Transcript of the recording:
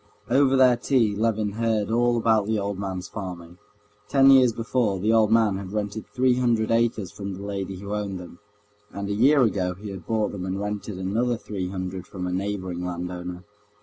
Over their tea Levin heard all about the old man's farming. Ten years before, the old man had rented three hundred acres from the lady who owned them, and a year ago he had bought them and rented another three hundred from a neighboring landowner.